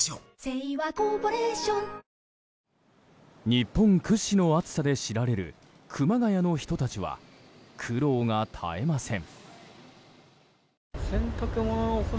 日本屈指の暑さで知られる熊谷の人たちは苦労が絶えません。